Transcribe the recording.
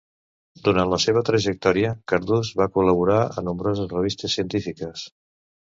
Durant la seva trajectòria Cardús va col·laborar a nombroses revistes científiques.